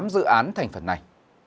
dự án thành phần này